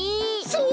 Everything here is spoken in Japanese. そう！